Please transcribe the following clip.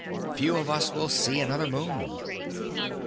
Few of us will see another moon."